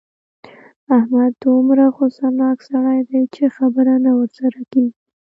احمد دومره غوسناک سړی دی چې خبره نه ورسره کېږي.